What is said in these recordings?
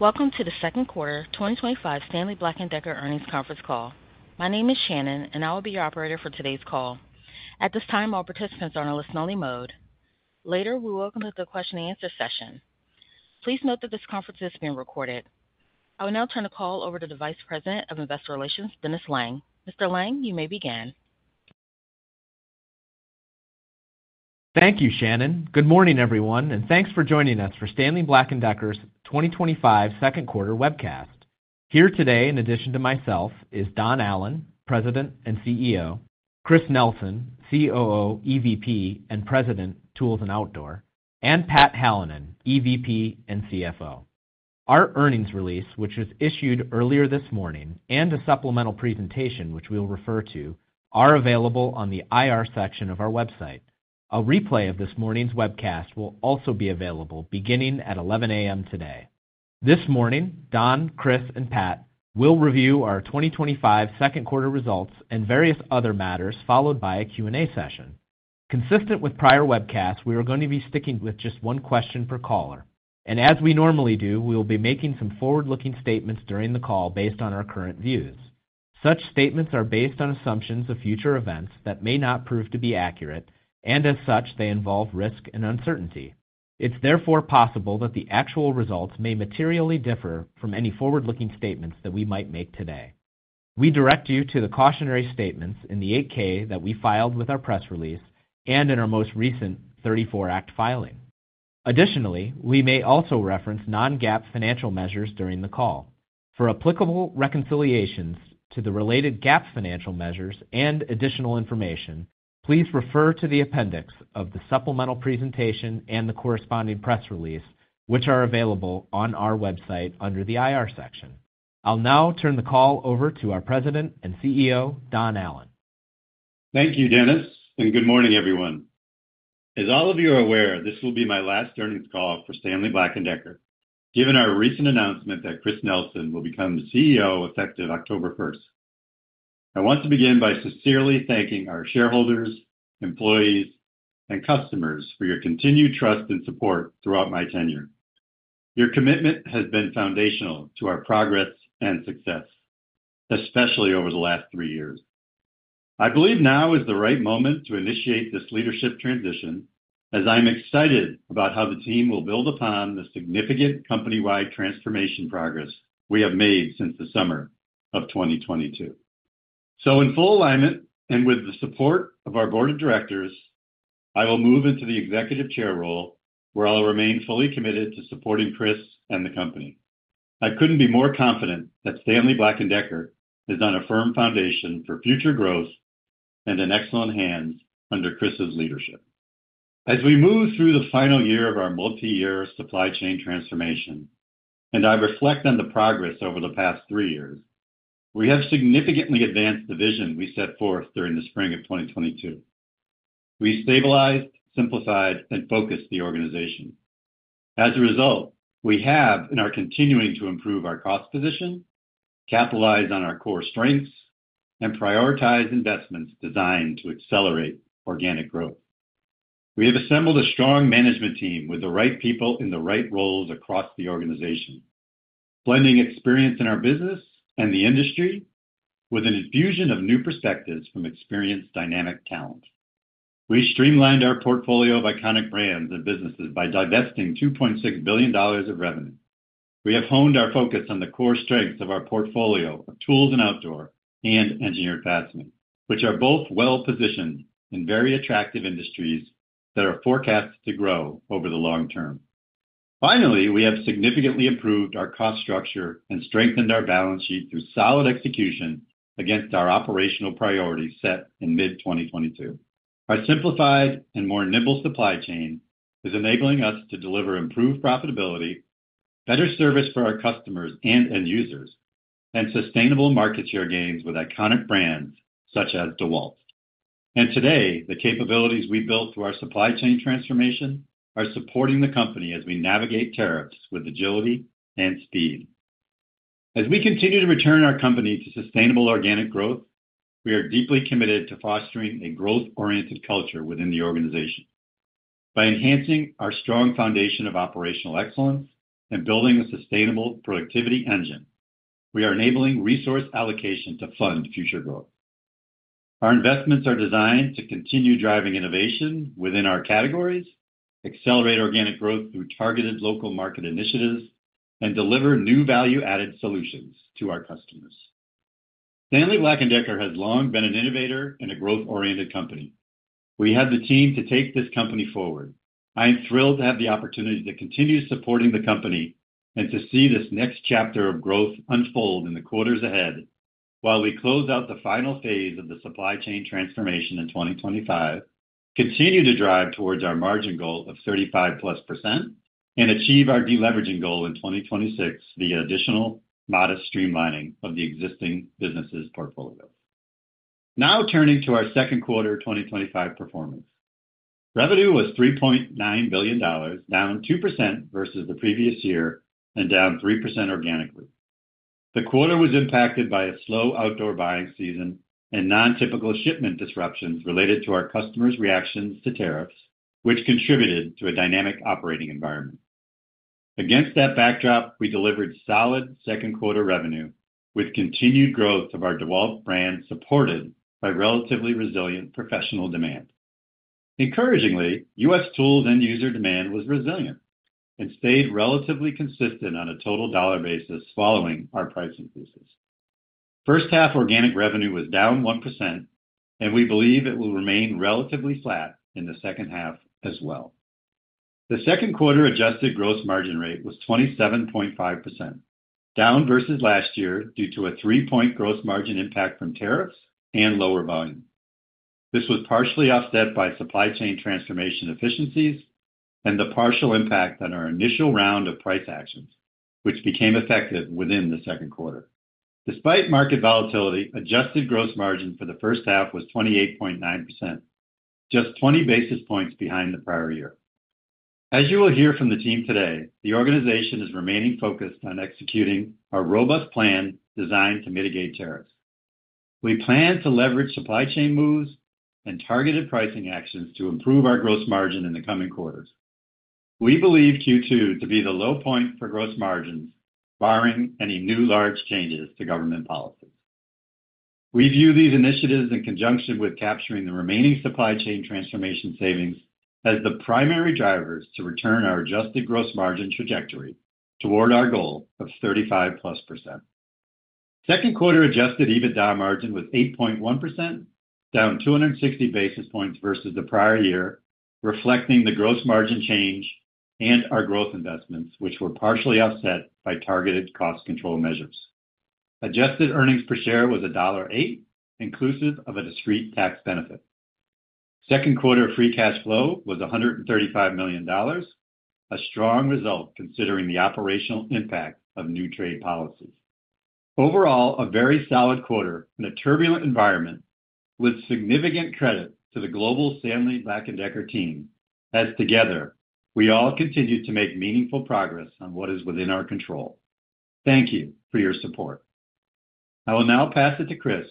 Welcome to the second quarter 2025 Stanley Black & Decker earnings conference call. My name is Shannon, and I will be your operator for today's call. At this time, all participants are in a listen-only mode. Later, we will open up the question-and-answer session. Please note that this conference is being recorded. I will now turn the call over to the Vice President of Investor Relations, Dennis Lange. Mr. Lange, you may begin. Thank you, Shannon. Good morning, everyone, and thanks for joining us for Stanley Black & Decker's 2025 second quarter webcast. Here today, in addition to myself, is Don Allan, President and CEO, Chris Nelson, COO, EVP and President, Tools & Outdoor, and Pat Hallinan, EVP and CFO. Our earnings release, which was issued earlier this morning, and a supplemental presentation, which we'll refer to, are available on the IR section of our website. A replay of this morning's webcast will also be available beginning at 11:00 A.M. today. This morning, Don, Chris, and Pat will review our 2025 second quarter results and various other matters, followed by a Q&A session. Consistent with prior webcasts, we are going to be sticking with just one question per caller. As we normally do, we will be making some forward-looking statements during the call based on our current views. Such statements are based on assumptions of future events that may not prove to be accurate, and as such, they involve risk and uncertainty. It is therefore possible that the actual results may materially differ from any forward-looking statements that we might make today. We direct you to the cautionary statements in the 8-K that we filed with our press release and in our most recent 34 Act filing. Additionally, we may also reference non-GAAP financial measures during the call. For applicable reconciliations to the related GAAP financial measures and additional information, please refer to the appendix of the supplemental presentation and the corresponding press release, which are available on our website under the IR section. I'll now turn the call over to our President and CEO, Don Allan. Thank you, Dennis, and good morning, everyone. As all of you are aware, this will be my last earnings call for Stanley Black & Decker, given our recent announcement that Chris Nelson will become the CEO effective October 1st. I want to begin by sincerely thanking our shareholders, employees, and customers for your continued trust and support throughout my tenure. Your commitment has been foundational to our progress and success, especially over the last three years. I believe now is the right moment to initiate this leadership transition, as I'm excited about how the team will build upon the significant company-wide transformation progress we have made since the summer of 2022. In full alignment and with the support of our Board of Directors, I will move into the executive chair role, where I'll remain fully committed to supporting Chris and the company. I couldn't be more confident that Stanley Black & Decker is on a firm foundation for future growth and in excellent hands under Chris's leadership. As we move through the final year of our multi-year supply chain transformation, and I reflect on the progress over the past three years, we have significantly advanced the vision we set forth during the spring of 2022. We stabilized, simplified, and focused the organization. As a result, we have and are continuing to improve our cost position, capitalize on our core strengths, and prioritize investments designed to accelerate organic growth. We have assembled a strong management team with the right people in the right roles across the organization, blending experience in our business and the industry with an infusion of new perspectives from experienced, dynamic talent. We streamlined our portfolio of iconic brands and businesses by divesting $2.6 billion of revenue. We have honed our focus on the core strengths of our portfolio of tools and outdoor and engineered fastening, which are both well-positioned in very attractive industries that are forecast to grow over the long term. Finally, we have significantly improved our cost structure and strengthened our balance sheet through solid execution against our operational priorities set in mid-2022. Our simplified and more nimble supply chain is enabling us to deliver improved profitability, better service for our customers and end users, and sustainable market share gains with iconic brands such as DeWALT. Today, the capabilities we built through our supply chain transformation are supporting the company as we navigate tariffs with agility and speed. As we continue to return our company to sustainable organic growth, we are deeply committed to fostering a growth-oriented culture within the organization. By enhancing our strong foundation of operational excellence and building a sustainable productivity engine, we are enabling resource allocation to fund future growth. Our investments are designed to continue driving innovation within our categories, accelerate organic growth through targeted local market initiatives, and deliver new value-added solutions to our customers. Stanley Black & Decker has long been an innovator and a growth-oriented company. We have the team to take this company forward. I am thrilled to have the opportunity to continue supporting the company and to see this next chapter of growth unfold in the quarters ahead. While we close out the final phase of the supply chain transformation in 2025, continue to drive towards our margin goal of 35+% and achieve our deleveraging goal in 2026 via additional modest streamlining of the existing business's portfolio. Now turning to our second quarter 2025 performance. Revenue was $3.9 billion, down 2% versus the previous year, and down 3% organically. The quarter was impacted by a slow outdoor buying season and non-typical shipment disruptions related to our customers' reactions to tariffs, which contributed to a dynamic operating environment. Against that backdrop, we delivered solid second quarter revenue with continued growth of our DeWALT brand supported by relatively resilient professional demand. Encouragingly, US Tool end user demand was resilient and stayed relatively consistent on a total dollar basis following our price increases. First half organic revenue was down 1%, and we believe it will remain relatively flat in the second half as well. The second quarter adjusted gross margin rate was 27.5%, down versus last year due to a three-point gross margin impact from tariffs and lower volume. This was partially offset by supply chain transformation efficiencies and the partial impact on our initial round of price actions, which became effective within the second quarter. Despite market volatility, adjusted gross margin for the first half was 28.9%. Just 20 basis points behind the prior year. As you will hear from the team today, the organization is remaining focused on executing our robust plan designed to mitigate tariffs. We plan to leverage supply chain moves and targeted pricing actions to improve our gross margin in the coming quarters. We believe Q2 to be the low point for gross margins, barring any new large changes to government policies. We view these initiatives in conjunction with capturing the remaining supply chain transformation savings as the primary drivers to return our adjusted gross margin trajectory toward our goal of 35%+. Second quarter adjusted EBITDA margin was 8.1%, down 260 basis points versus the prior year, reflecting the gross margin change and our growth investments, which were partially offset by targeted cost control measures. Adjusted earnings per share was $1.8, inclusive of a discrete tax benefit. Second quarter free cash flow was $135 million. A strong result considering the operational impact of new trade policies. Overall, a very solid quarter in a turbulent environment with significant credit to the global Stanley Black & Decker team, as together we all continue to make meaningful progress on what is within our control. Thank you for your support. I will now pass it to Chris,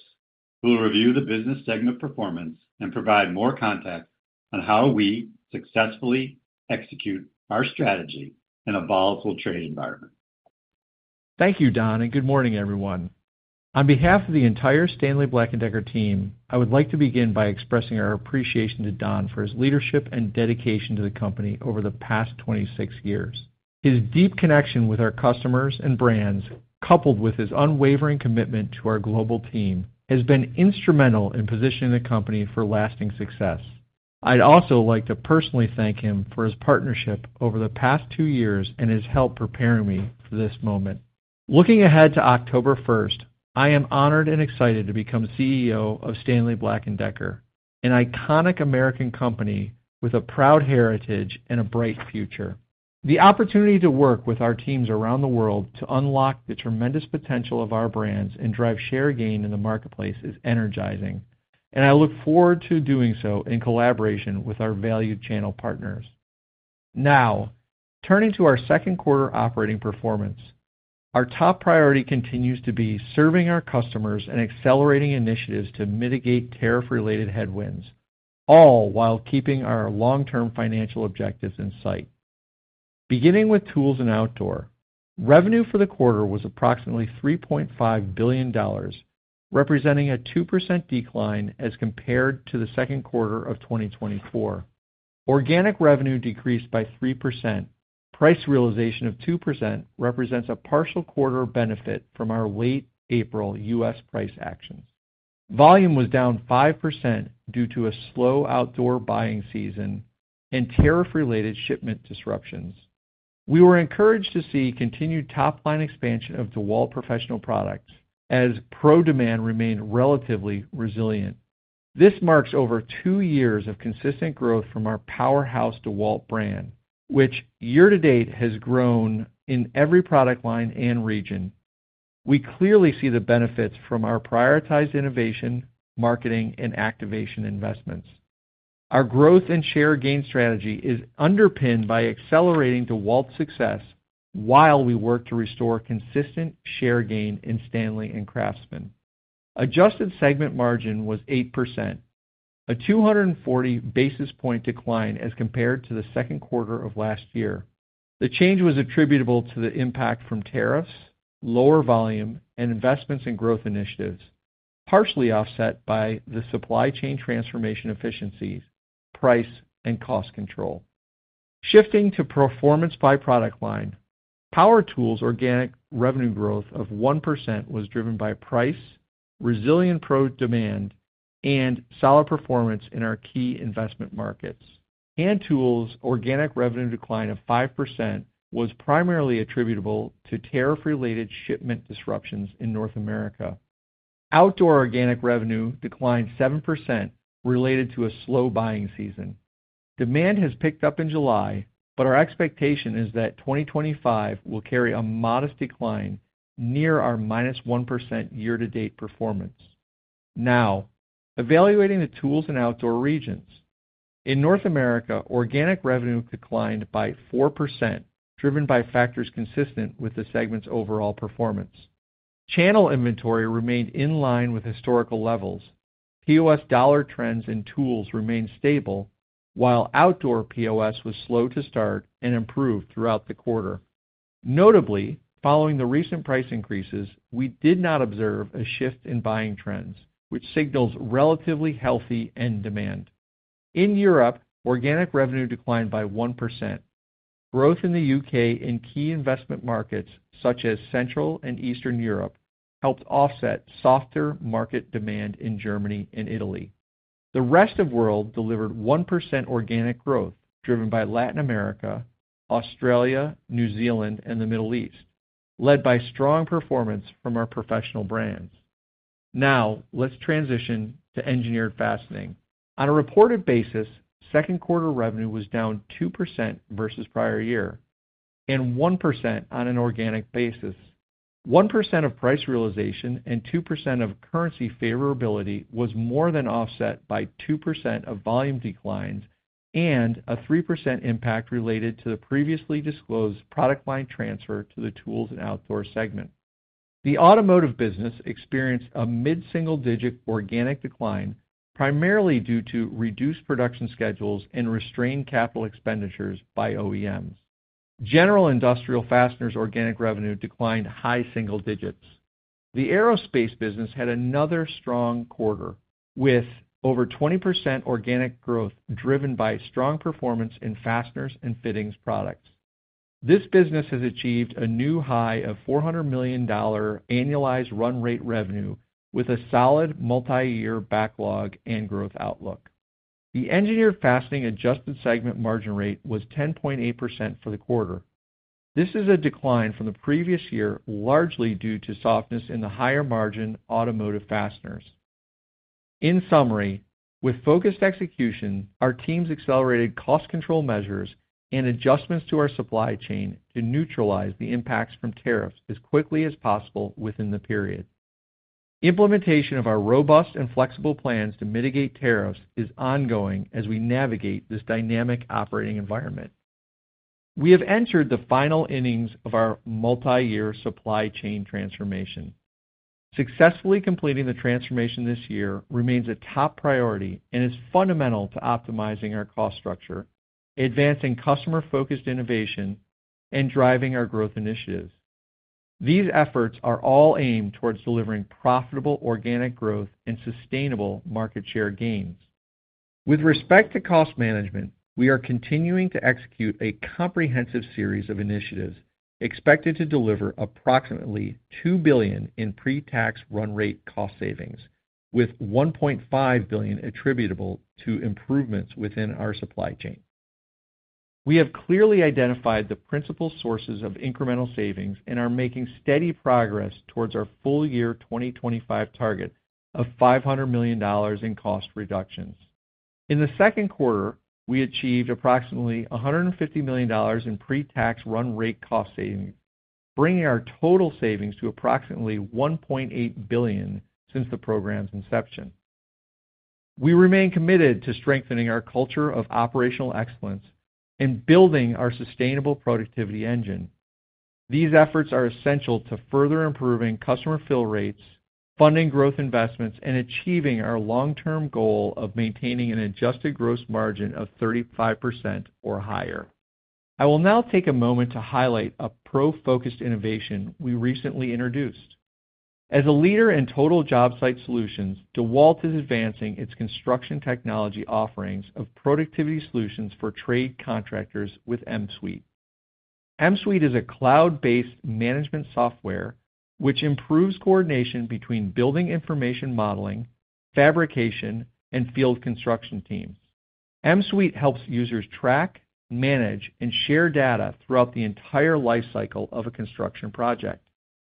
who will review the business segment performance and provide more context on how we successfully execute our strategy in a volatile trade environment. Thank you, Don, and good morning, everyone. On behalf of the entire Stanley Black & Decker team, I would like to begin by expressing our appreciation to Don for his leadership and dedication to the company over the past 26 years. His deep connection with our customers and brands, coupled with his unwavering commitment to our global team, has been instrumental in positioning the company for lasting success. I'd also like to personally thank him for his partnership over the past two years and his help preparing me for this moment. Looking ahead to October 1st, I am honored and excited to become CEO of Stanley Black & Decker, an iconic American company with a proud heritage and a bright future. The opportunity to work with our teams around the world to unlock the tremendous potential of our brands and drive share gain in the marketplace is energizing, and I look forward to doing so in collaboration with our valued channel partners. Now, turning to our second quarter operating performance, our top priority continues to be serving our customers and accelerating initiatives to mitigate tariff-related headwinds, all while keeping our long-term financial objectives in sight. Beginning with Tools & Outdoor, revenue for the quarter was approximately $3.5 billion, representing a 2% decline as compared to the second quarter of 2024. Organic revenue decreased by 3%. Price realization of 2% represents a partial quarter benefit from our late April U.S. price actions. Volume was down 5% due to a slow outdoor buying season and tariff-related shipment disruptions. We were encouraged to see continued top-line expansion of DeWALT professional products as pro-demand remained relatively resilient. This marks over two years of consistent growth from our powerhouse DeWALT brand, which year to date has grown in every product line and region. We clearly see the benefits from our prioritized innovation, marketing, and activation investments. Our growth and share gain strategy is underpinned by accelerating DeWALT success while we work to restore consistent share gain in STANLEY and CRAFTSMAN. Adjusted segment margin was 8%, a 240 basis point decline as compared to the second quarter of last year. The change was attributable to the impact from tariffs, lower volume, and investments in growth initiatives, partially offset by the supply chain transformation efficiencies, price, and cost control. Shifting to performance by product line, power tools' organic revenue growth of 1% was driven by price, resilient pro-demand, and solid performance in our key investment markets. Hand tools' organic revenue decline of 5% was primarily attributable to tariff-related shipment disruptions in North America. Outdoor organic revenue declined 7% related to a slow buying season. Demand has picked up in July, but our expectation is that 2025 will carry a modest decline near our -1% year-to-date performance. Now, evaluating the Tools & Outdoor regions. In North America, organic revenue declined by 4%, driven by factors consistent with the segment's overall performance. Channel inventory remained in line with historical levels. POS dollar trends in tools remained stable, while outdoor POS was slow to start and improved throughout the quarter. Notably, following the recent price increases, we did not observe a shift in buying trends, which signals relatively healthy end demand. In Europe, organic revenue declined by 1%. Growth in the U.K. and key investment markets such as Central and Eastern Europe helped offset softer market demand in Germany and Italy. The rest of the world delivered 1% organic growth driven by Latin America, Australia, New Zealand, and the Middle East, led by strong performance from our professional brands. Now, let's transition to engineered fastening. On a reported basis, second quarter revenue was down 2% versus prior year, and 1% on an organic basis. 1% of price realization and 2% of currency favorability was more than offset by 2% of volume declines and a 3% impact related to the previously disclosed product line transfer to the Tools & Outdoor segment. The automotive business experienced a mid-single digit organic decline, primarily due to reduced production schedules and restrained capital expenditures by OEM. General industrial fasteners' organic revenue declined high single digits. The aerospace business had another strong quarter with over 20% organic growth driven by strong performance in fasteners and fittings products. This business has achieved a new high of $400 million annualized run rate revenue with a solid multi-year backlog and growth outlook. The engineered fastening adjusted segment margin rate was 10.8% for the quarter. This is a decline from the previous year, largely due to softness in the higher margin automotive fasteners. In summary, with focused execution, our teams accelerated cost control measures and adjustments to our supply chain to neutralize the impacts from tariffs as quickly as possible within the period. Implementation of our robust and flexible plans to mitigate tariffs is ongoing as we navigate this dynamic operating environment. We have entered the final innings of our multi-year supply chain transformation. Successfully completing the transformation this year remains a top priority and is fundamental to optimizing our cost structure, advancing customer-focused innovation, and driving our growth initiatives. These efforts are all aimed towards delivering profitable organic growth and sustainable market share gains. With respect to cost management, we are continuing to execute a comprehensive series of initiatives expected to deliver approximately $2 billion in pre-tax run-rate cost savings, with $1.5 billion attributable to improvements within our supply chain. We have clearly identified the principal sources of incremental savings and are making steady progress towards our full year 2025 target of $500 million in cost reductions. In the second quarter, we achieved approximately $150 million in pre-tax run-rate cost savings, bringing our total savings to approximately $1.8 billion since the program's inception. We remain committed to strengthening our culture of operational excellence and building our sustainable productivity engine. These efforts are essential to further improving customer fill rates, funding growth investments, and achieving our long-term goal of maintaining an adjusted gross margin of 35% or higher. I will now take a moment to highlight a pro-focused innovation we recently introduced. As a leader in total job site solutions, DeWALT is advancing its construction technology offerings of productivity solutions for trade contractors with MSUITE. MSUITE is a cloud-based management software which improves coordination between Building Information Modeling, fabrication, and field construction teams. MSUITE helps users track, manage, and share data throughout the entire life cycle of a construction project.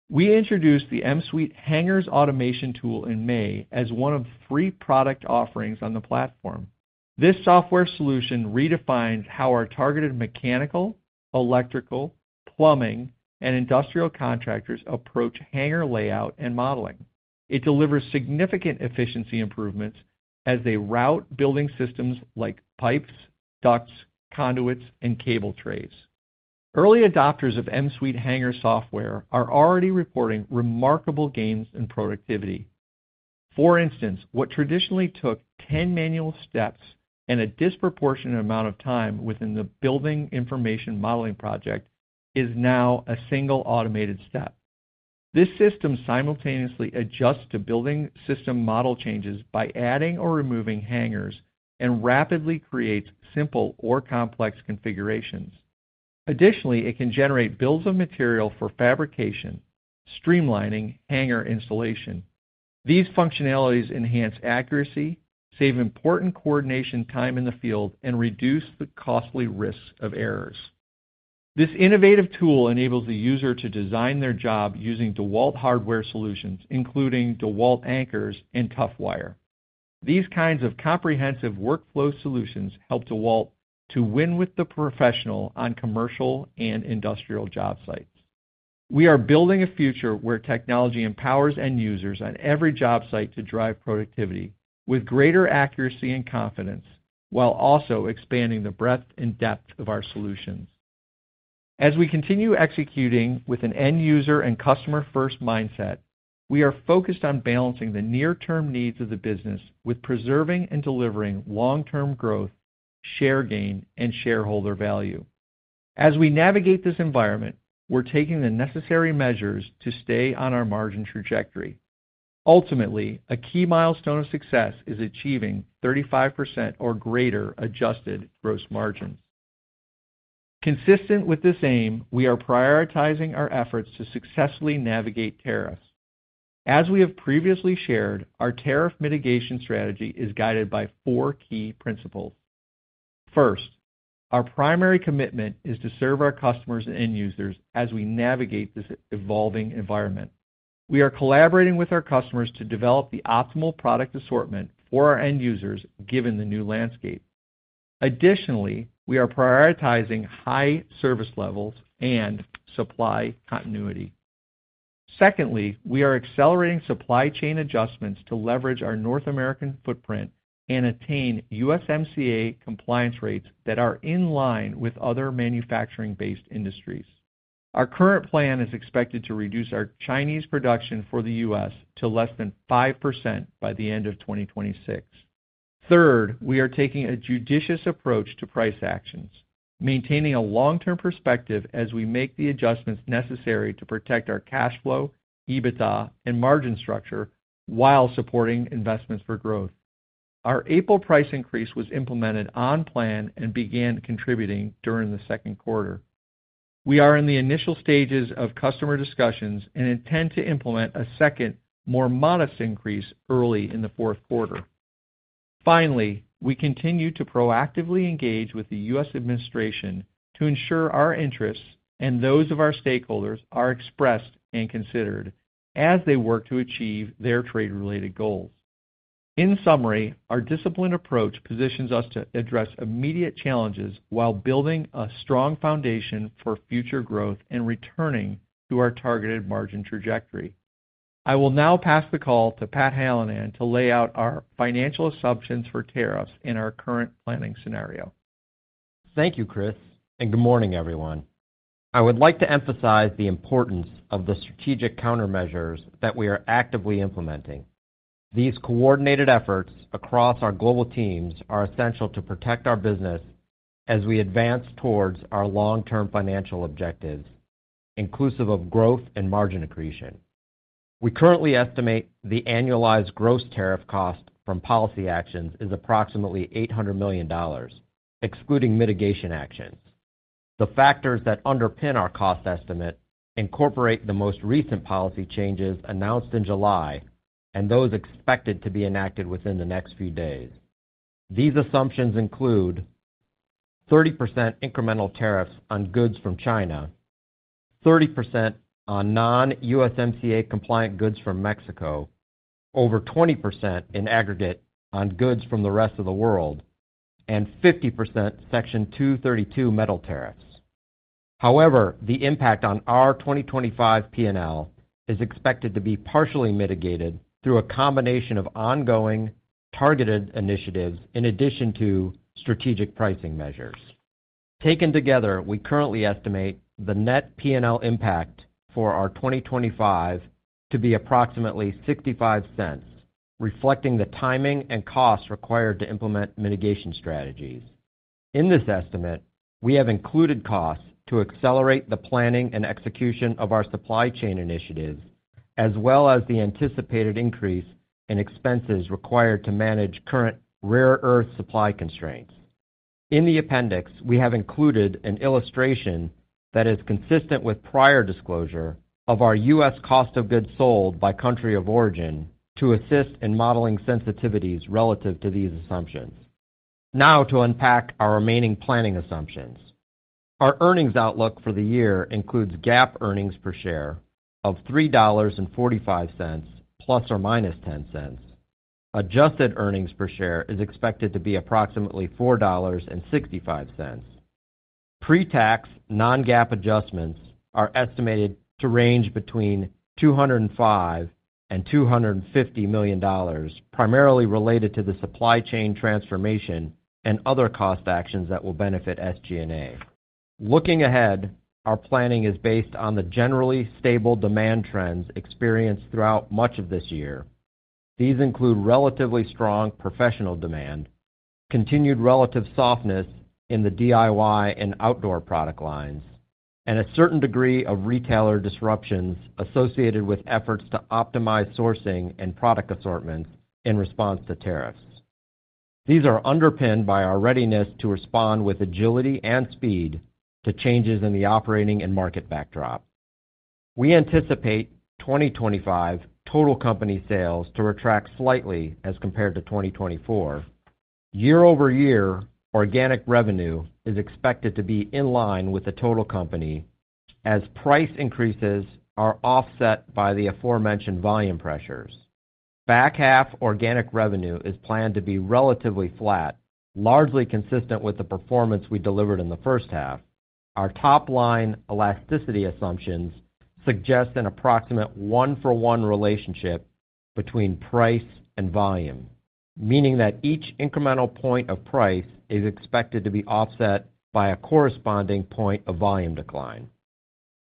We introduced the MSUITE Hangers Automation Tool in May as one of three product offerings on the platform. This software solution redefined how our targeted mechanical, electrical, plumbing, and industrial contractors approach hanger layout and modeling. It delivers significant efficiency improvements as they route building systems like pipes, ducts, conduits, and cable trays. Early adopters of MSUITE Hangers software are already reporting remarkable gains in productivity. For instance, what traditionally took 10 manual steps and a disproportionate amount of time within the Building Information Modeling project is now a single-automated step. This system simultaneously adjusts to building system model changes by adding or removing hangers and rapidly creates simple or complex configurations. Additionally, it can generate bills of material for fabrication, streamlining hanger installation. These functionalities enhance accuracy, save important coordination time in the field, and reduce the costly risks of errors. This innovative tool enables the user to design their job using DeWALT hardware solutions, including DeWALT Anchors and TOUGHWIRE. These kinds of comprehensive workflow solutions help DeWALT to win with the professional on commercial and industrial job sites. We are building a future where technology empowers end users on every job site to drive productivity with greater accuracy and confidence, while also expanding the breadth and depth of our solutions. As we continue executing with an end user and customer-first mindset, we are focused on balancing the near-term needs of the business with preserving and delivering long-term growth, share gain, and shareholder value. As we navigate this environment, we're taking the necessary measures to stay on our margin trajectory. Ultimately, a key milestone of success is achieving 35% or greater adjusted gross margins. Consistent with this aim, we are prioritizing our efforts to successfully navigate tariffs. As we have previously shared, our tariff mitigation strategy is guided by four key principles. First, our primary commitment is to serve our customers and end users as we navigate this evolving environment. We are collaborating with our customers to develop the optimal product assortment for our end users given the new landscape. Additionally, we are prioritizing high service levels and supply continuity. Secondly, we are accelerating supply chain adjustments to leverage our North American footprint and attain USMCA compliance rates that are in line with other manufacturing-based industries. Our current plan is expected to reduce our Chinese production for the U.S. to less than 5% by the end of 2026. Third, we are taking a judicious approach to price actions, maintaining a long-term perspective as we make the adjustments necessary to protect our cash flow, EBITDA, and margin structure while supporting investments for growth. Our April price increase was implemented on plan and began contributing during the second quarter. We are in the initial stages of customer discussions and intend to implement a second, more modest increase early in the fourth quarter. Finally, we continue to proactively engage with the U.S. administration to ensure our interests and those of our stakeholders are expressed and considered as they work to achieve their trade-related goals. In summary, our disciplined approach positions us to address immediate challenges while building a strong foundation for future growth and returning to our targeted margin trajectory. I will now pass the call to Pat Hallinan to lay out our financial assumptions for tariffs in our current planning scenario. Thank you, Chris, and good morning, everyone. I would like to emphasize the importance of the strategic countermeasures that we are actively implementing. These coordinated efforts across our global teams are essential to protect our business. As we advance towards our long-term financial objectives, inclusive of growth and margin accretion. We currently estimate the annualized gross tariff cost from policy actions is approximately $800 million, excluding mitigation actions. The factors that underpin our cost estimate incorporate the most recent policy changes announced in July and those expected to be enacted within the next few days. These assumptions include 30% incremental tariffs on goods from China, 30% on non-USMCA compliant goods from Mexico, over 20% in aggregate on goods from the rest of the world, and 50% Section 232 Metal Tariffs. However, the impact on our 2025 P&L is expected to be partially mitigated through a combination of ongoing targeted initiatives in addition to strategic pricing measures. Taken together, we currently estimate the net P&L impact for our 2025 to be approximately $0.65, reflecting the timing and costs required to implement mitigation strategies. In this estimate, we have included costs to accelerate the planning and execution of our supply chain initiatives, as well as the anticipated increase in expenses required to manage current rare earth supply constraints. In the appendix, we have included an illustration that is consistent with prior disclosure of our U.S. cost of goods sold by country of origin to assist in modeling sensitivities relative to these assumptions. Now, to unpack our remaining planning assumptions. Our earnings outlook for the year includes GAAP earnings per share of $3.45 ± $0.10. Adjusted earnings per share is expected to be approximately $4.65. Pre-tax non-GAAP adjustments are estimated to range between $205 million-$250 million, primarily related to the supply chain transformation and other cost actions that will benefit SG&A. Looking ahead, our planning is based on the generally stable demand trends experienced throughout much of this year. These include relatively strong professional demand, continued relative softness in the DIY and outdoor product lines, and a certain degree of retailer disruptions associated with efforts to optimize sourcing and product assortments in response to tariffs. These are underpinned by our readiness to respond with agility and speed to changes in the operating and market backdrop. We anticipate 2025 total company sales to retract slightly as compared to 2024. Year-over-year organic revenue is expected to be in line with the total company. As price increases are offset by the aforementioned volume pressures. Back half organic revenue is planned to be relatively flat, largely consistent with the performance we delivered in the first half. Our top-line elasticity assumptions suggest an approximate one-for-one relationship between price and volume, meaning that each incremental point of price is expected to be offset by a corresponding point of volume decline.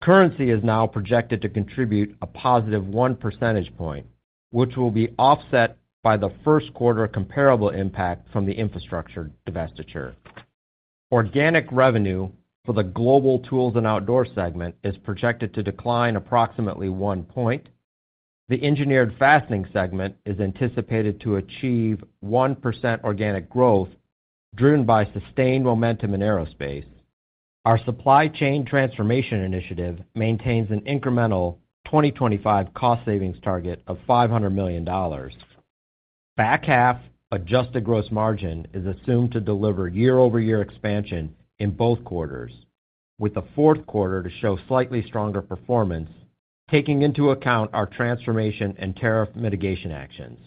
Currency is now projected to contribute a +1 percentage point, which will be offset by the first quarter comparable impact from the infrastructure divestiture. Organic revenue for the global Tools & Outdoor segment is projected to decline approximately 1 point. The engineered fastening segment is anticipated to achieve 1% organic growth driven by sustained momentum in aerospace. Our supply chain transformation initiative maintains an incremental 2025 cost-savings target of $500 million. Back half adjusted gross margin is assumed to deliver year-over-year expansion in both quarters, with the fourth quarter to show slightly stronger performance taking into account our transformation and tariff mitigation actions.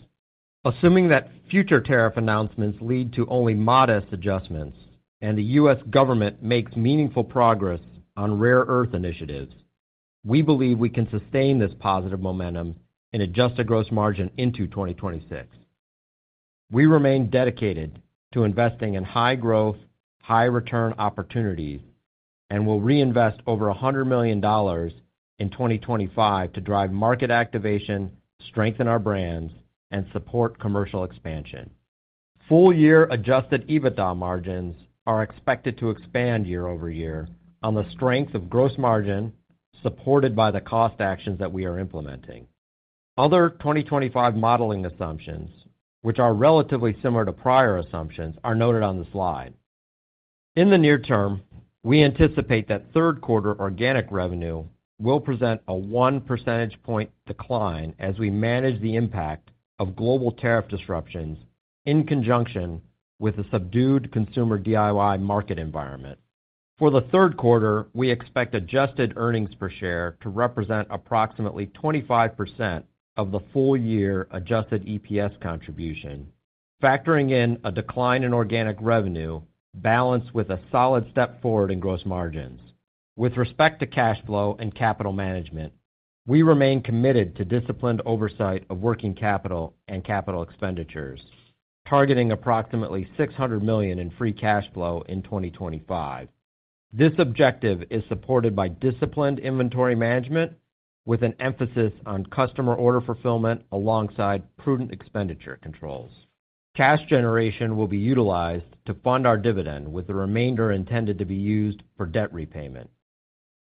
Assuming that future tariff announcements lead to only modest adjustments and the U.S. government makes meaningful progress on rare earth initiatives, we believe we can sustain this positive momentum and adjusted gross margin into 2026. We remain dedicated to investing in high-growth, high-return opportunities and will reinvest over $100 million in 2025 to drive market activation, strengthen our brands, and support commercial expansion. Full year adjusted EBITDA margins are expected to expand year-over-year on the strength of gross margin supported by the cost actions that we are implementing. Other 2025 modeling assumptions, which are relatively similar to prior assumptions, are noted on the slide. In the near term, we anticipate that third quarter organic revenue will present a one percentage point decline as we manage the impact of global tariff disruptions in conjunction with the subdued consumer DIY market environment. For the third quarter, we expect adjusted earnings per share to represent approximately 25% of the full year adjusted EPS contribution, factoring in a decline in organic revenue balanced with a solid step forward in gross margins. With respect to cash flow and capital management, we remain committed to disciplined oversight of working capital and capital expenditures, targeting approximately $600 million in free cash flow in 2025. This objective is supported by disciplined inventory management with an emphasis on customer order fulfillment alongside prudent expenditure controls. Cash generation will be utilized to fund our dividend, with the remainder intended to be used for debt repayment.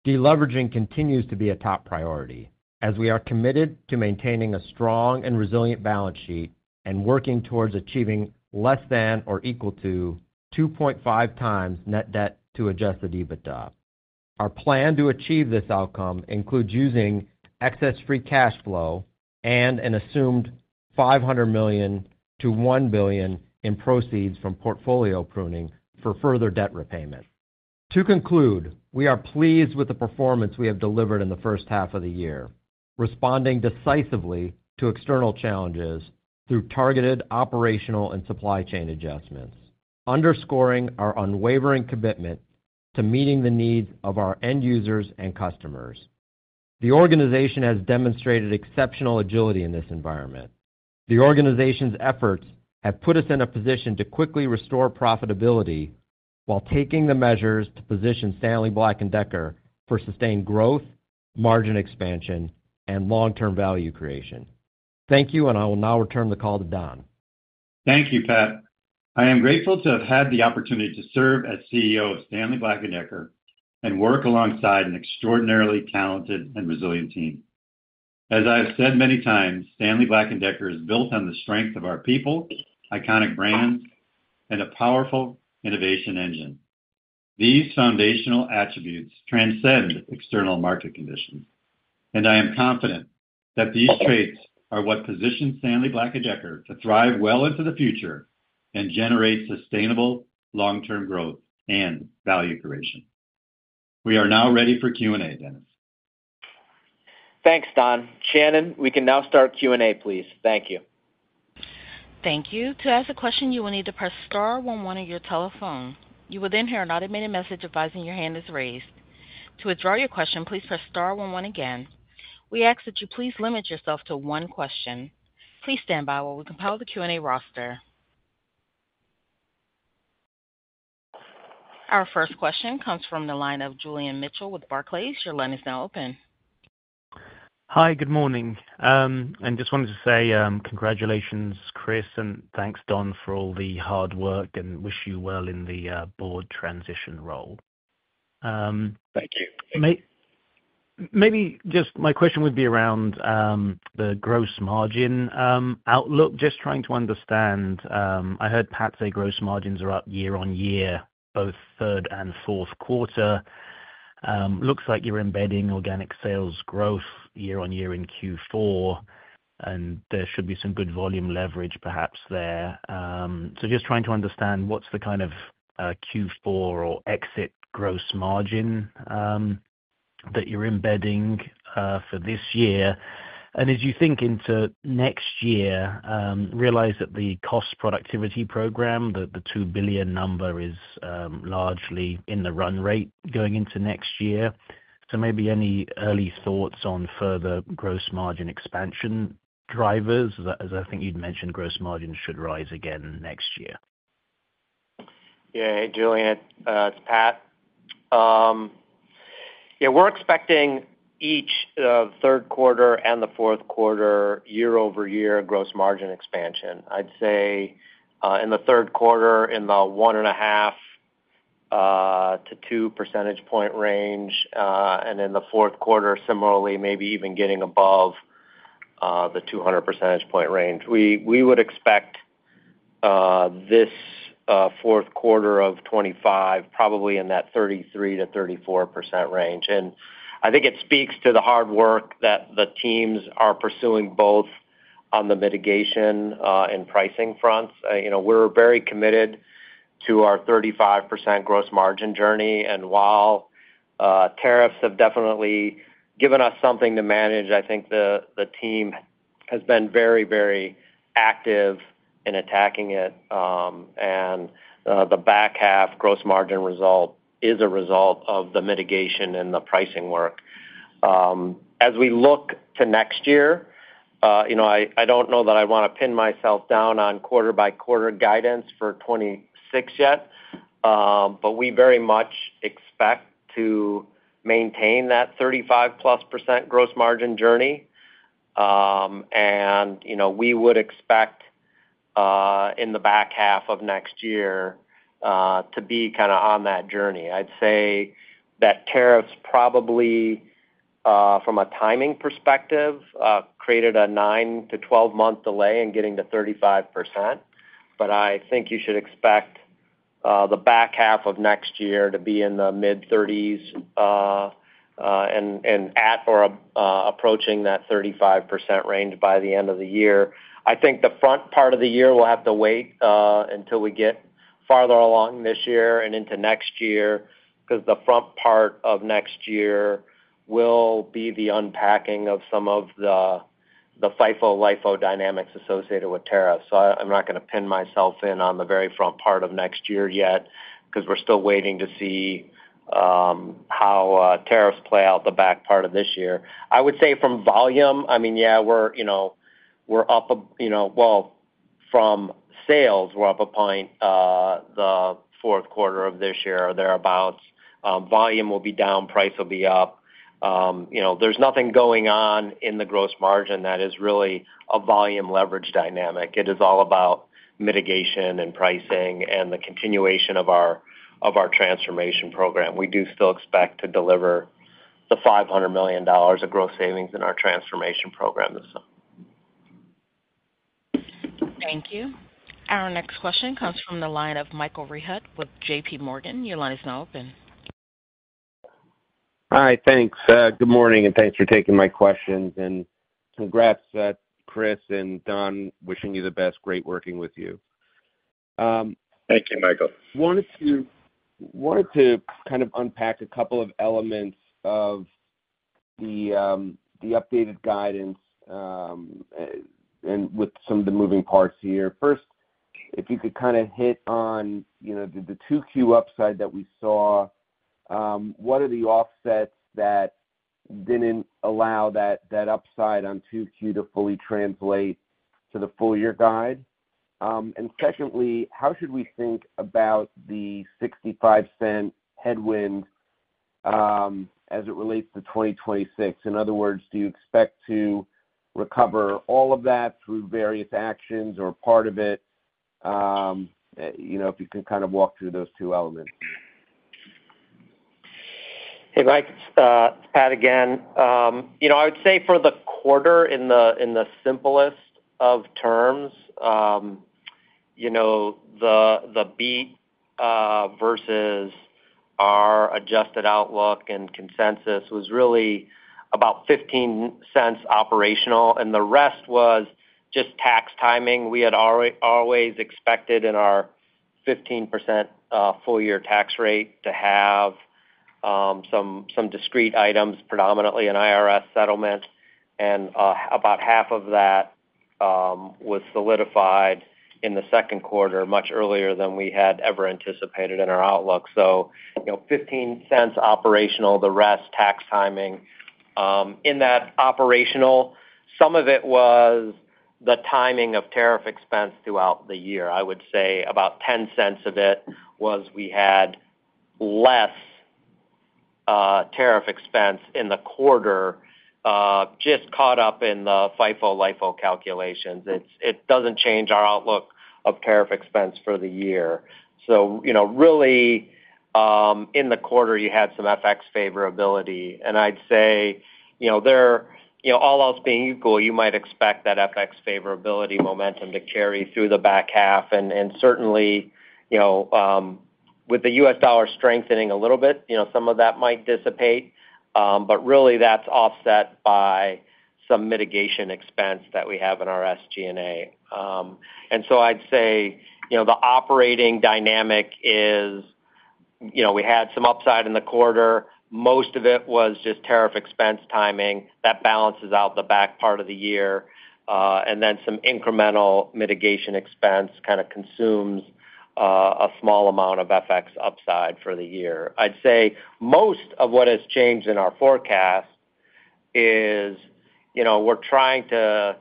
Deleveraging continues to be a top priority as we are committed to maintaining a strong and resilient balance sheet and working towards achieving less than or equal to 2.5x net debt to adjusted EBITDA. Our plan to achieve this outcome includes using excess free cash flow and an assumed $500 million-$1 billion in proceeds from portfolio pruning for further debt repayment. To conclude, we are pleased with the performance we have delivered in the first half of the year, responding decisively to external challenges through targeted operational and supply chain adjustments, underscoring our unwavering commitment to meeting the needs of our end users and customers. The organization has demonstrated exceptional agility in this environment. The organization's efforts have put us in a position to quickly restore profitability while taking the measures to position Stanley Black & Decker for sustained growth, margin expansion, and long-term value creation. Thank you, and I will now return the call to Don. Thank you, Pat. I am grateful to have had the opportunity to serve as CEO of Stanley Black & Decker and work alongside an extraordinarily talented and resilient team. As I have said many times, Stanley Black & Decker is built on the strength of our people, iconic brands, and a powerful innovation engine. These foundational attributes transcend external market conditions, and I am confident that these traits are what position Stanley Black & Decker to thrive well into the future and generate sustainable long-term growth and value creation. We are now ready for Q&A, [Dennis]. Thanks, Don. Shannon, we can now start Q&A, please. Thank you. Thank you. To ask a question, you will need to press star one one on your telephone. You will then hear an automated message advising your hand is raised. To withdraw your question, please press star one one again. We ask that you please limit yourself to one question. Please stand by while we compile the Q&A roster. Our first question comes from the line of Julian Mitchell with Barclays. Your line is now open. Hi, good morning. I just wanted to say congratulations, Chris, and thanks, Don, for all the hard work and wish you well in the board transition role. Thank you. Maybe just my question would be around. The gross margin outlook. Just trying to understand. I heard Pat say gross margins are up year-on-year, both third and fourth quarter. Looks like you're embedding organic sales growth year-on-year in Q4. And there should be some good volume leverage perhaps there. Just trying to understand what's the kind of Q4 or exit gross margin that you're embedding for this year. As you think into next year, realize that the cost productivity program, the $2 billion number, is largely in the run-rate going into next year. Maybe any early thoughts on further gross margin expansion drivers, as I think you'd mentioned gross margins should rise again next year. Yeah, hey, Julian, it's Pat. Yeah, we're expecting each third quarter and the fourth quarter, year-over-year gross margin expansion. I'd say in the third quarter in the 1.5-2 percentage point range, and in the fourth quarter, similarly, maybe even getting above the 2 percentage point range. We would expect this fourth quarter of 2025 probably in that 33%-34% range. I think it speaks to the hard work that the teams are pursuing both on the mitigation and pricing fronts. We're very committed to our 35% gross margin journey. While tariffs have definitely given us something to manage, I think the team has been very, very active in attacking it. The back half gross margin result is a result of the mitigation and the pricing work. As we look to next year, I don't know that I want to pin myself down on quarter-by-quarter guidance for 2026 yet. We very much expect to maintain that 35%+ gross margin journey. We would expect in the back half of next year to be kind of on that journey. I'd say that tariffs probably, from a timing perspective, created a nine-12 month delay in getting to 35%. I think you should expect the back half of next year to be in the mid-30s and approaching that 35% range by the end of the year. I think the front part of the year, we'll have to wait until we get farther along this year and into next year because the front part of next year will be the unpacking of some of the FIFO-LIFO dynamics associated with tariffs. I'm not going to pin myself in on the very front part of next year yet because we're still waiting to see how tariffs play out the back part of this year. I would say from volume, I mean, yeah, we're up a, well, from sales, we're up a point the fourth quarter of this year or thereabouts. Volume will be down, price will be up. There's nothing going on in the gross margin that is really a volume leverage dynamic. It is all about mitigation and pricing and the continuation of our transformation program. We do still expect to deliver the $500 million of gross savings in our transformation program this summer. Thank you. Our next question comes from the line of Michael Rehaut with JPMorgan. Your line is now open. Hi, thanks. Good morning, and thanks for taking my questions. Congrats, Chris and Don, wishing you the best. Great working with you. Thank you, Michael. Wanted to kind of unpack a couple of elements of the updated guidance. With some of the moving parts here, first, if you could kind of hit on the 2Q upside that we saw, what are the offsets that didn't allow that upside on 2Q to fully translate to the full year guide? Secondly, how should we think about the $0.65 headwind as it relates to 2026? In other words, do you expect to. Recover all of that through various actions or part of it? If you can kind of walk through those two elements. Hey, Mike, it's Pat again. I would say for the quarter, in the simplest of terms, the beat versus our adjusted outlook and consensus was really about $0.15 operational, and the rest was just tax timing. We had always expected in our 15% full-year tax rate to have some discrete items, predominantly an IRS settlement, and about 1/2 of that was solidified in the second quarter much earlier than we had ever anticipated in our outlook. So $0.15 operational, the rest tax timing. In that operational, some of it was the timing of tariff expense throughout the year. I would say about $0.10 of it was we had less tariff expense in the quarter, just caught up in the FIFO-LIFO calculations. It does not change our outlook of tariff expense for the year. Really, in the quarter, you had some FX favorability, and I would say all else being equal, you might expect that FX favorability momentum to carry through the back half. Certainly, with the U.S. dollar strengthening a little bit, some of that might dissipate. Really, that is offset by some mitigation expense that we have in our SG&A. I would say the operating dynamic is we had some upside in the quarter. Most of it was just tariff expense timing. That balances out the back part of the year, and then some incremental mitigation expense kind of consumes a small amount of FX upside for the year. I would say most of what has changed in our forecast is we are trying to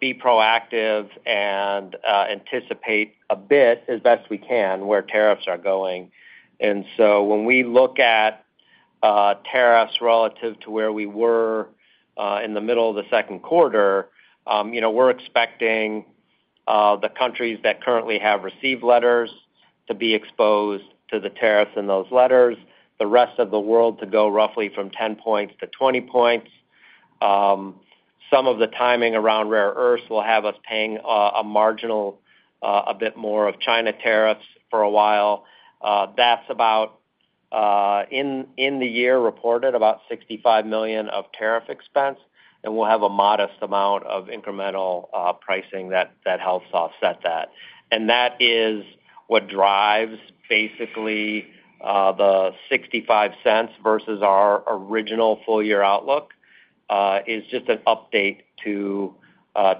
be proactive and anticipate a bit as best we can where tariffs are going. When we look at tariffs relative to where we were in the middle of the second quarter, we are expecting the countries that currently have received letters to be exposed to the tariffs in those letters, the rest of the world to go roughly from 10 points-20 points. Some of the timing around rare earths will have us paying a marginal, a bit more of China tariffs for a while. That is about, in the year reported, about $65 million of tariff expense, and we will have a modest amount of incremental pricing that helps offset that. That is what drives basically the $0.65 versus our original full-year outlook, is just an update to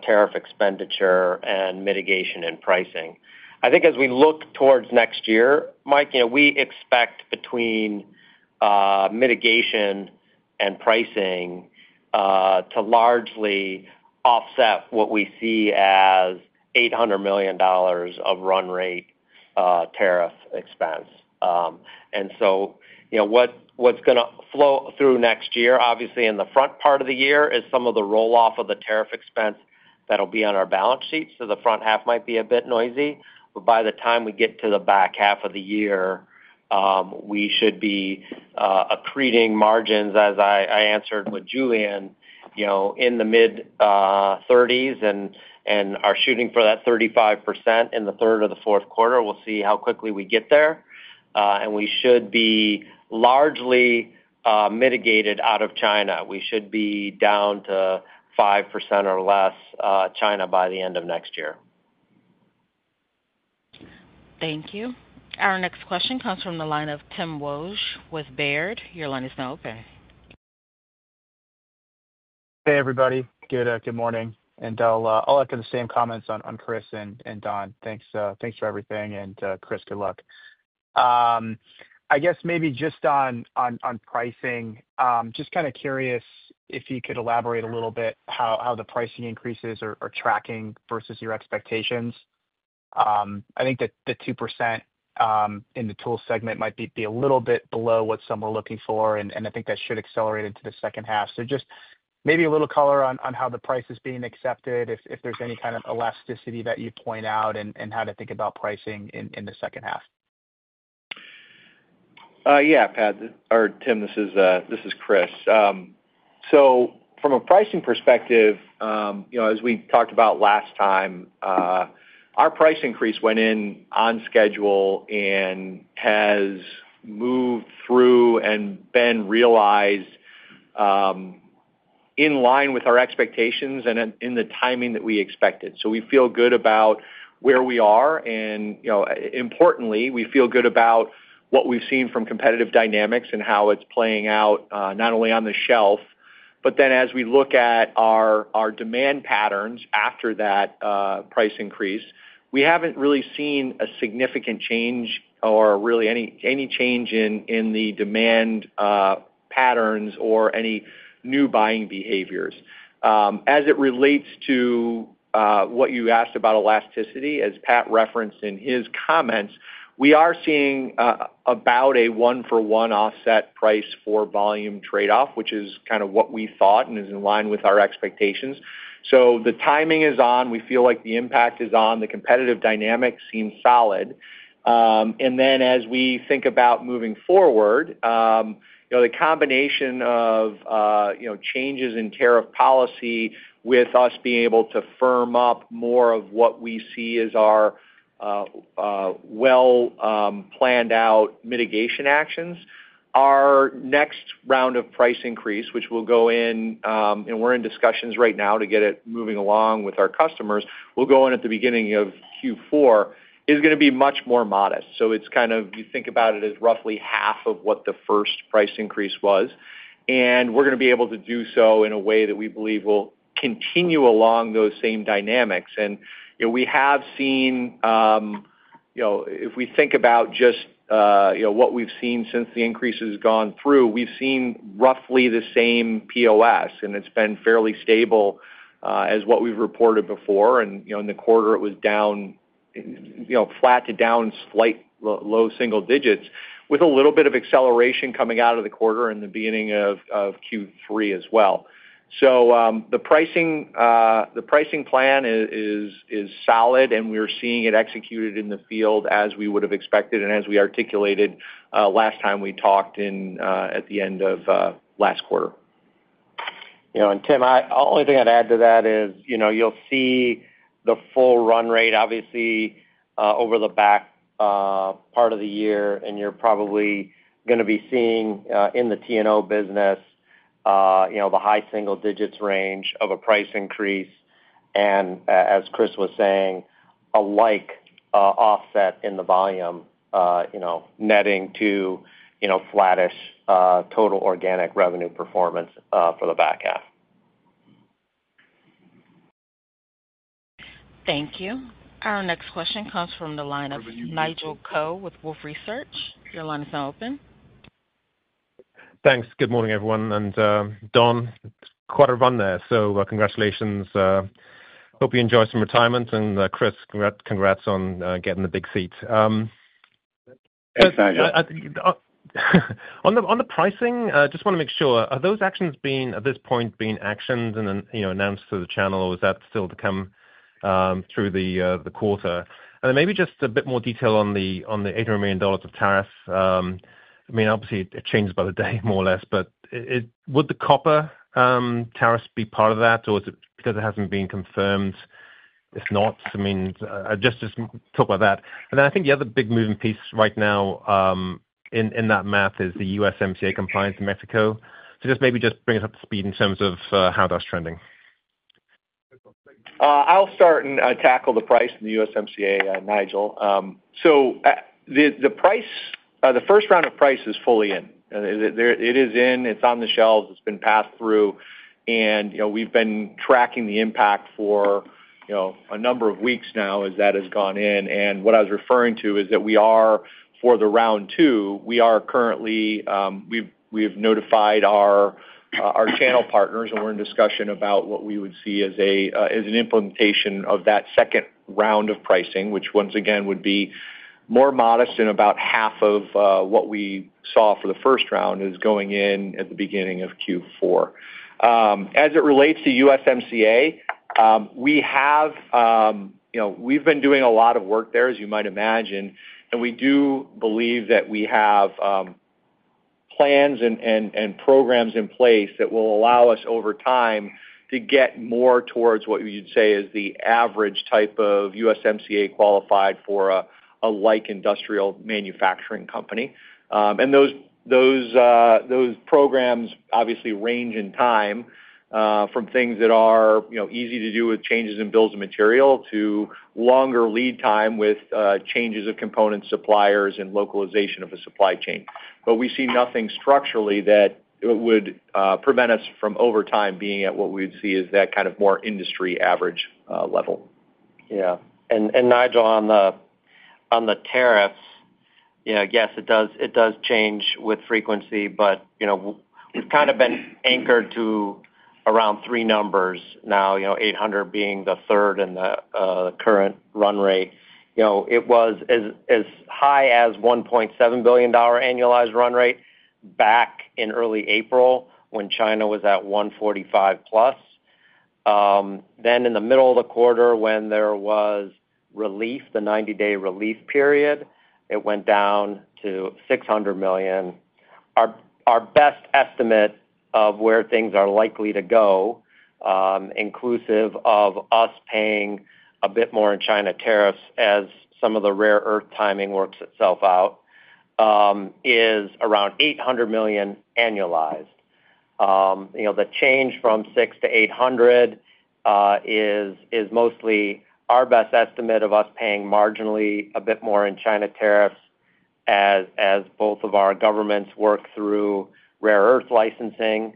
tariff expenditure and mitigation and pricing. I think as we look towards next year, Mike, we expect between mitigation and pricing to largely offset what we see as $800 million of run rate tariff expense. What's going to flow through next year, obviously in the front part of the year, is some of the roll-off of the tariff expense that'll be on our balance sheet. The front half might be a bit noisy. By the time we get to the back half of the year, we should be accreting margins, as I answered with Julian, in the mid-30% and are shooting for that 35% in the third or the fourth quarter. We'll see how quickly we get there. We should be largely mitigated out of China. We should be down to 5% or less China by the end of next year. Thank you. Our next question comes from the line of Tim Wojs with BAIRD. Your line is now open. Hey, everybody. Good morning. I'll echo the same comments on Chris and Don. Thanks for everything. Chris, good luck. I guess maybe just on pricing, just kind of curious if you could elaborate a little bit how the pricing increases are tracking versus your expectations. I think that the 2% in the tool segment might be a little bit below what some were looking for. I think that should accelerate into the second half. Just maybe a little color on how the price is being accepted, if there's any kind of elasticity that you point out, and how to think about pricing in the second half. Yeah, Pat. Or Tim, this is Chris. From a pricing perspective, as we talked about last time, our price increase went in on schedule and has moved through and been realized in line with our expectations and in the timing that we expected. We feel good about where we are. Importantly, we feel good about what we've seen from competitive dynamics and how it's playing out not only on the shelf, but then as we look at our demand patterns after that. Price increase, we haven't really seen a significant change or really any change in the demand patterns or any new buying behaviors. As it relates to what you asked about elasticity, as Pat referenced in his comments, we are seeing about a one-for-one offset price for volume trade-off, which is kind of what we thought and is in line with our expectations. The timing is on. We feel like the impact is on. The competitive dynamics seem solid. As we think about moving forward, the combination of changes in tariff policy with us being able to firm up more of what we see as our. Planned-out mitigation actions, our next round of price increase, which will go in—and we're in discussions right now to get it moving along with our customers—will go in at the beginning of Q4, is going to be much more modest. It is kind of, you think about it as roughly 1/2 of what the first price increase was. We are going to be able to do so in a way that we believe will continue along those same dynamics. We have seen, if we think about just what we've seen since the increase has gone through, we've seen roughly the same POS, and it's been fairly stable as what we've reported before. In the quarter, it was down, flat to down slight low single digits, with a little bit of acceleration coming out of the quarter in the beginning of Q3 as well. The pricing plan is solid, and we're seeing it executed in the field as we would have expected and as we articulated last time we talked at the end of last quarter. Tim, the only thing I'd add to that is you'll see the full run rate, obviously, over the back part of the year. You're probably going to be seeing in the T&O business the high single-digits range of a price increase. As Chris was saying, a like offset in the volume, netting to flattish total organic revenue performance for the back half. Thank you. Our next question comes from the line of Nigel Coe with Wolfe Research. Your line is now open. Thanks. Good morning, everyone. Don, quite a run there. Congratulations. Hope you enjoy some retirement. Chris, congrats on getting the big seat. On the pricing, I just want to make sure, are those actions at this point being actions announced to the channel, or is that still to come through the quarter? Maybe just a bit more detail on the $800 million of tariffs. I mean, obviously, it changes by the day, more or less. Would the Copper tariffs be part of that, or is it because it hasn't been confirmed? If not, just talk about that. I think the other big moving piece right now in that math is the USMCA compliance in Mexico. Maybe just bring us up to speed in terms of how that's trending. I'll start and tackle the price and the USMCA, Nigel. The first round of price is fully in. It is in. It's on the shelves. It's been passed through. We've been tracking the impact for a number of weeks now as that has gone in. What I was referring to is that we are, for the round two, we are currently—we've notified our. Channel partners, and we're in discussion about what we would see as an implementation of that second round of pricing, which, once again, would be more modest and about 1/2 of what we saw for the first round is going in at the beginning of Q4. As it relates to USMCA, we have. We've been doing a lot of work there, as you might imagine. We do believe that we have plans and programs in place that will allow us, over time, to get more towards what you'd say is the average type of USMCA qualified for a like industrial manufacturing company. Those programs, obviously, range in time from things that are easy to do with changes in bills of material to longer lead time with changes of component suppliers and localization of a supply chain. We see nothing structurally that would prevent us from, over time, being at what we would see as that kind of more industry average level. Yeah. Nigel, on the tariffs, yes, it does change with frequency. We've kind of been anchored to around three numbers now, 800 being the third and the current run-rate. It was as high as $1.7 billion annualized run rate back in early April when China was at 145+. In the middle of the quarter, when there was relief, the 90-day relief period, it went down to $600 million. Our best estimate of where things are likely to go, inclusive of us paying a bit more in China tariffs as some of the rare earth timing works itself out, is around $800 million annualized. The change from 600 to 800 is mostly our best estimate of us paying marginally a bit more in China tariffs as both of our governments work through rare earth licensing.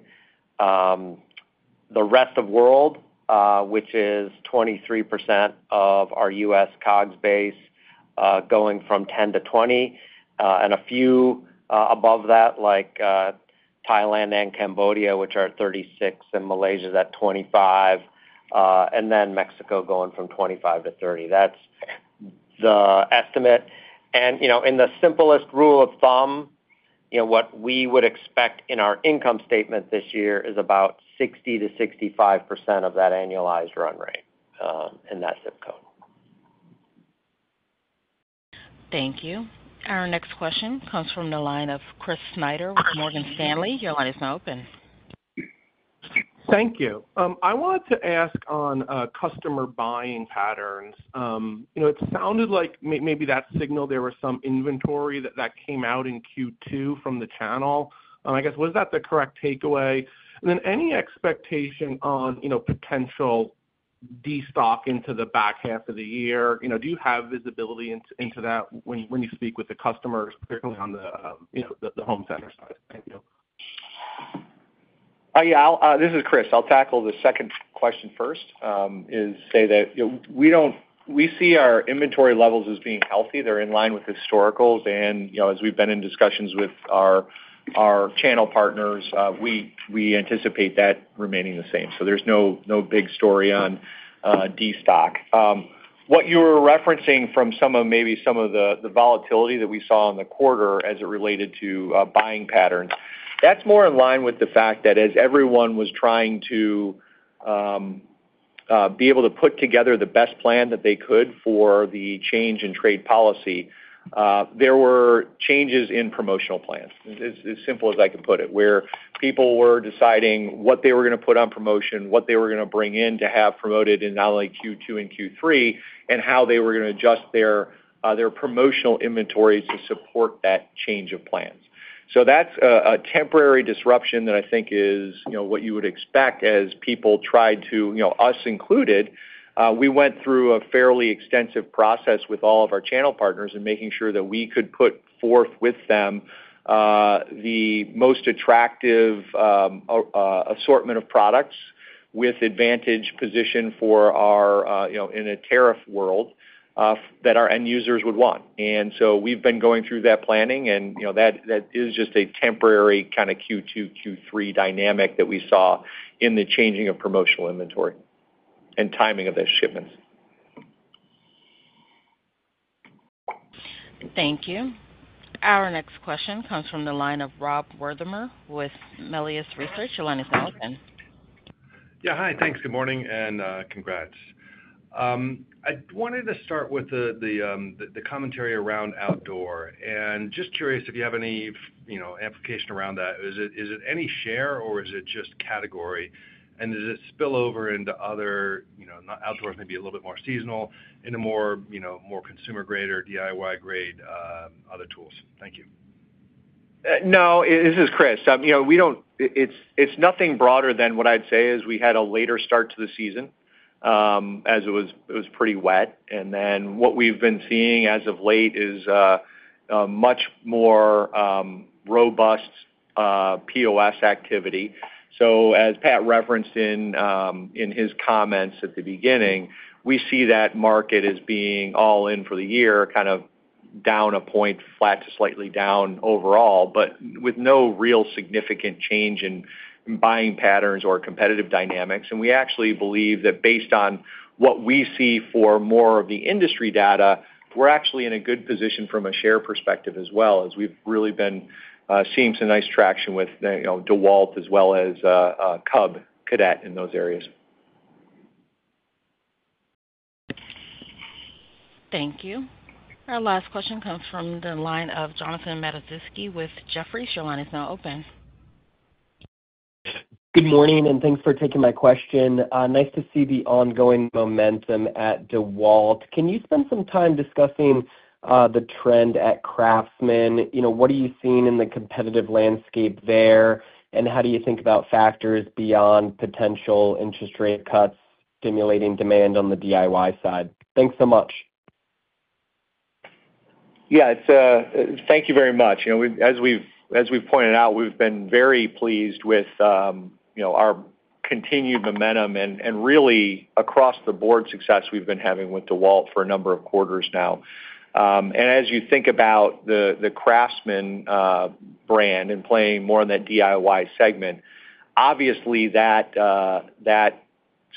The rest of the world, which is 23% of our U.S. COGS base, going from 10-20, and a few above that, like Thailand and Cambodia, which are at 36, and Malaysia's at 25. Then Mexico going from 25-30. That's the estimate. In the simplest rule of thumb, what we would expect in our income statement this year is about 60-65% of that annualized run-rate in [Mexico]. Thank you. Our next question comes from the line of Chris Snyder with Morgan Stanley. Your line is now open. Thank you. I wanted to ask on customer buying patterns. It sounded like maybe that signaled there was some inventory that came out in Q2 from the channel. I guess, was that the correct takeaway? Any expectation on potential destock into the back half of the year? Do you have visibility into that when you speak with the customers, particularly on the home center side? Thank you. Yeah. This is Chris. I'll tackle the second question first. I'll say that we see our inventory levels as being healthy. They're in line with historicals. And as we've been in discussions with our channel partners, we anticipate that remaining the same. There's no big story on destock. What you were referencing from maybe some of the volatility that we saw in the quarter as it related to buying patterns, that's more in line with the fact that as everyone was trying to be able to put together the best plan that they could for the change in trade policy. There were changes in promotional plans, as simple as I can put it, where people were deciding what they were going to put on promotion, what they were going to bring in to have promoted in not only Q2 and Q3, and how they were going to adjust their promotional inventory to support that change of plans. That's a temporary disruption that I think is what you would expect as people tried to, us included. We went through a fairly extensive process with all of our channel partners in making sure that we could put forth with them the most attractive assortment of products with advantage position for our in a tariff world that our end users would want. We've been going through that planning. That is just a temporary kind of Q2, Q3 dynamic that we saw in the changing of promotional inventory and timing of those shipments. Thank you. Our next question comes from the line of Rob Wertheimer with Melius Research. Your line is now open. Yeah. Hi. Thanks. Good morning and congrats. I wanted to start with the commentary around outdoor. Just curious if you have any application around that. Is it any share, or is it just category? Does it spill over into other outdoors, maybe a little bit more seasonal, into more consumer-grade, or DIY-grade other tools? Thank you. No, this is Chris. It's nothing broader than what I'd say is we had a later start to the season as it was pretty wet. What we've been seeing as of late is much more robust POS activity. As Pat referenced in his comments at the beginning, we see that market as being all in for the year, kind of down a point, flat to slightly down overall, but with no real significant change in buying patterns or competitive dynamics. And we actually believe that based on what we see for more of the industry data, we're actually in a good position from a share perspective as well, as we've really been seeing some nice traction with DeWALT as well as Cub Cadet in those areas. Thank you. Our last question comes from the line of Jonathan Matuszewski with Barclays. Your line is now open. Good morning, and thanks for taking my question. Nice to see the ongoing momentum at DeWALT. Can you spend some time discussing the trend at CRAFTSMAN? What are you seeing in the competitive landscape there, and how do you think about factors beyond potential interest rate cuts stimulating demand on the DIY side? Thanks so much. Yeah. Thank you very much. As we've pointed out, we've been very pleased with our continued momentum and really across-the-board success we've been having with DeWALT for a number of quarters now. As you think about the CRAFTSMAN brand and playing more in that DIY segment, obviously, that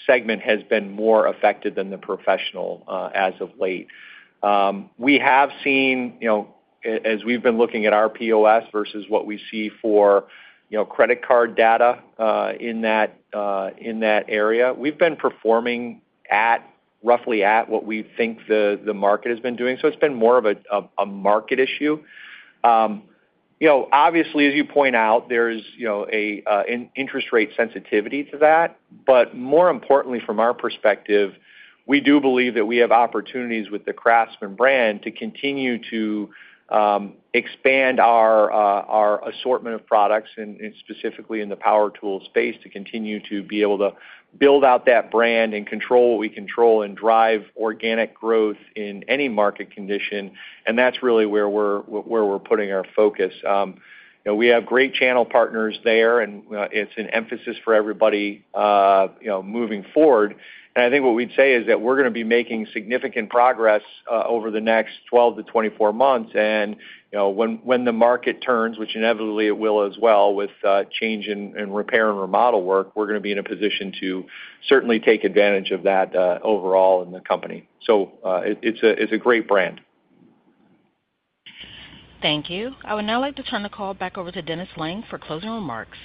segment has been more affected than the professional as of late. We have seen, as we've been looking at our POS versus what we see for credit card data in that area, we've been performing roughly at what we think the market has been doing. It has been more of a market issue. Obviously, as you point out, there's an interest rate sensitivity to that. More importantly, from our perspective, we do believe that we have opportunities with the CRAFTSMAN brand to continue to expand our assortment of products, and specifically in the power tool space, to continue to be able to build out that brand and control what we control and drive organic growth in any market condition. That's really where we're putting our focus. We have great channel partners there, and it's an emphasis for everybody moving forward. I think what we'd say is that we're going to be making significant progress over the next 12-24 months. When the market turns, which inevitably it will as well with change in repair and remodel work, we're going to be in a position to certainly take advantage of that overall in the company. It's a great brand. Thank you. I would now like to turn the call back over to Dennis Lange for closing remarks.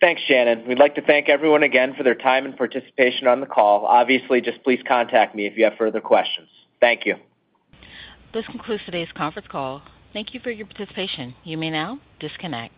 Thanks, Shannon. We'd like to thank everyone again for their time and participation on the call. Obviously, just please contact me if you have further questions. Thank you. This concludes today's conference call. Thank you for your participation. You may now disconnect.